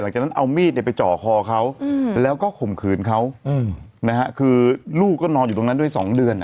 จะเอามีดไปจ่อคอเขาแล้วก็ข่มขืนเขานะฮะคือลูกก็นอนอยู่ตรงนั้นด้วย๒เดือน